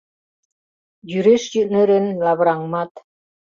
Йӱреш нӧрен лавыраҥмат...